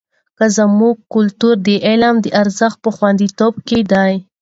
زموږ کلتور د علم د ارزښت په خوندیتوب کې دی.